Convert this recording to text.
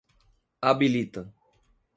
habilita